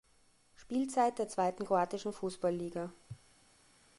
Spielzeit der zweiten kroatischen Fußballliga.